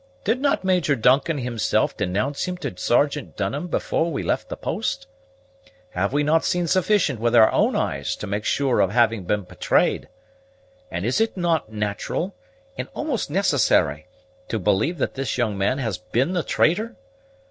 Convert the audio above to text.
Did not Major Duncan himself denounce him to Sergeant Dunham before we left the post? Have we not seen sufficient with our own eyes to make sure of having been betrayed? And is it not natural, and almost necessary, to believe that this young man has been the traitor?